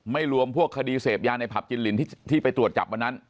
รวมพวกคดีเสพยาในผับจินลินที่ไปตรวจจับวันนั้น